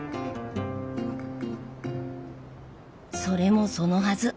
それもそのはず。